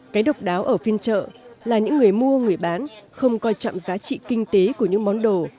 cái độc đáo ở phiên chợ là những người mua người bán không coi trọng giá trị kinh tế của những món đồ